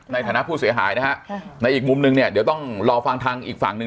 ในฐานะผู้เสียหายนะฮะในอีกมุมนึงเนี่ยเดี๋ยวต้องรอฟังทางอีกฝั่งหนึ่ง